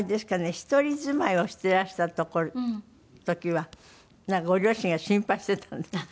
一人住まいをしてらした時はなんかご両親が心配してたんだって？